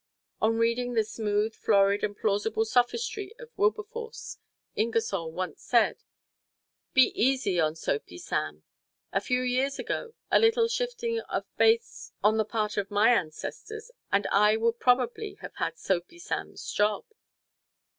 On reading the smooth, florid and plausible sophistry of Wilberforce, Ingersoll once said: "Be easy on Soapy Sam! A few years ago, a little shifting of base on the part of my ancestors, and I would probably have had Soapy Sam's job."